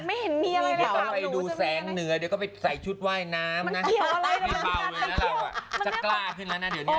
ไม่ต้องไปดูแสงเหนือเดี๋ยวเขาไปใส่ชุดว่ายน้ำนะมีเบาเลยนะเราจะกล้าขึ้นแล้วนะเดี๋ยวเนี่ย